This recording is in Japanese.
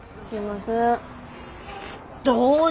すいません。